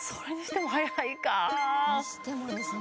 にしてもですね